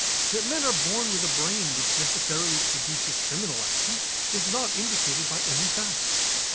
That men are born with a brain which necessarily produces criminal actions is not indicated by any facts.